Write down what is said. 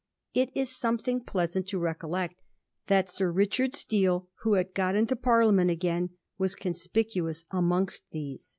It is something pleasant to recollect that Sir Richard Steele, who had got into Parliament again, was con spicuous amongst these.